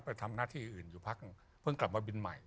ไปทำหน้าที่อื่นอยู่พักหนึ่งเพิ่งกลับมาบินใหม่